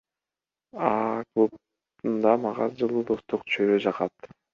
АА клубунда мага жылуу достук чөйрө жагат.